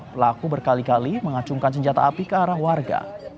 pelaku berkali kali mengacungkan senjata api ke arah warga